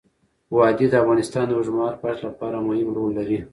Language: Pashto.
وادي د افغانستان د اوږدمهاله پایښت لپاره مهم رول لري.